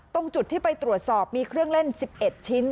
ตรงจุดที่ไปตรวจสอบมีเครื่องเล่น๑๑ชิ้น